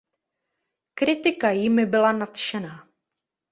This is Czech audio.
Kritika jimi byla nadšená.